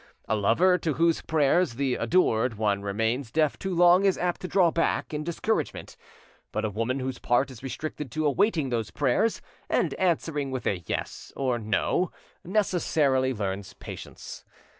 A lover to whose prayers the adored one remains deaf too long is apt to draw back in discouragement, but a woman whose part is restricted to awaiting those prayers, and answering with a yes or no, necessarily learns patience.